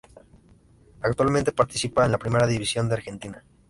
Actualmente participa en la Primera División de Argentina.